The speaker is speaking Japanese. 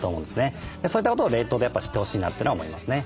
そういったことを冷凍でやっぱ知ってほしいなっていうのは思いますね。